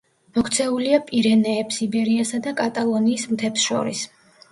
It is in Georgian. მოქცეულია პირენეებს, იბერიასა და კატალონიის მთებს შორის.